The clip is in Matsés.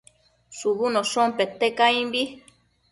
shubunoshon pete caimbi